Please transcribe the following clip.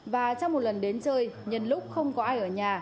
và trong một lần đến chơi nhân lúc không có ai ở nhà